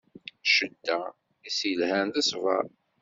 Ccedda, i s-ilhan, d ṣṣbeṛ.